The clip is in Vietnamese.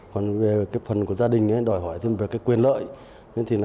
còn về phần của gia đình đòi hỏi thêm về cái quyền lợi